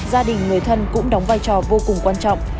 gia đình người thân cũng đóng vai trò vô cùng quan trọng